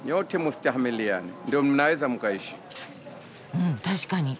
うん確かに。